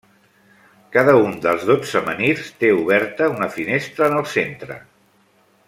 Cada un dels dotze menhirs té oberta una finestra en el centre.